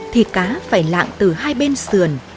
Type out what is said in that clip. thì cá phải lạng từ hai bên sườn